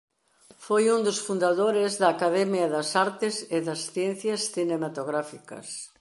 Foi un dos fundadores da Academia das Artes e das Ciencias Cinematográficas.